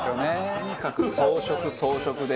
とにかく装飾装飾で。